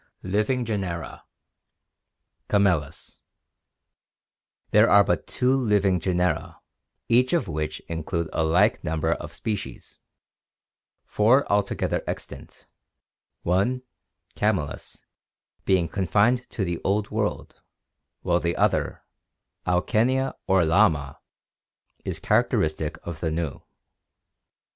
LIVING GENERA Camelus There are but two living genera, each of which includes a like number of species — four altogether extant — one, Camelus, being confined to the Old World, while the other, Auchenia or Lama, is characteristic of the New.